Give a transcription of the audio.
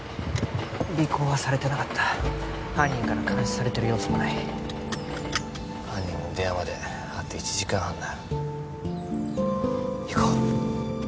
尾行はされてなかった犯人から監視されてる様子もない犯人の電話まであと１時間半だ